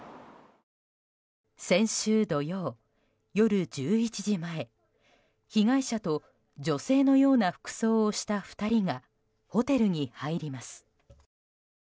先週土曜、夜１１時前被害者と女性のような服装をした２人がホテルに入ります。